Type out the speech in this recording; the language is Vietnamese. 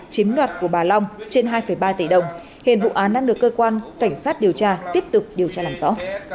chiếm đoạt của bà long trên hai ba tỷ đồng hiện vụ án đang được cơ quan cảnh sát điều tra tiếp tục điều tra làm rõ